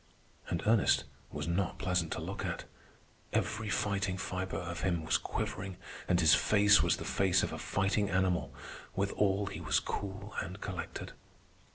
And Ernest was not pleasant to look at. Every fighting fibre of him was quivering, and his face was the face of a fighting animal, withal he was cool and collected.